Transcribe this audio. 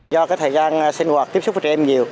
do cái thời gian sinh hoạt tiếp xúc với trẻ em nhiều